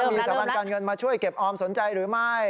มีสถาบันการเงินมาช่วยเก็บออมสนใจหรือไม่